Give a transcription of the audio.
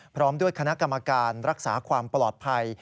พร้อมด้วยคณะกรรมการรักษาความปลอดภัย